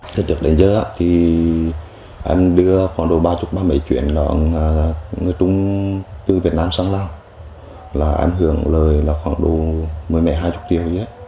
thế trước đến giờ thì em đưa khoảng độ ba mươi ba mươi chuyện là người trung từ việt nam sang lào là em hưởng lời là khoảng độ một mươi mẹ hai mươi triệu chứ